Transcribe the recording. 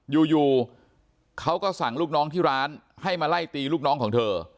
อยู่เขาก็สั่งลูกน้องที่ร้านให้มาไล่ตีลูกน้องของเธอ